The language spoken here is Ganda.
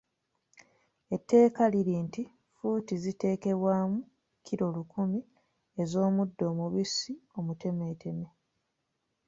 Etteeka liri nti ffuuti ziteekebwamu kkilo lukumi ez’omuddo omubisi omutemeeteme.